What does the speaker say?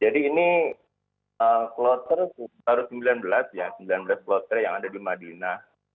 jadi ini kloster baru sembilan belas ya sembilan belas kloster yang ada di madinah